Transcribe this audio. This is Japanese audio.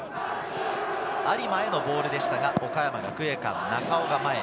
有馬へのボールでしたが、岡山学芸館・中尾が前へ。